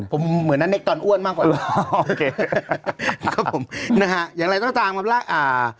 ผมเหมือนอันนี้ตอนอ้วนมากกว่าโอเคนะครับอย่างไรต้องตามครับล่ะอ่า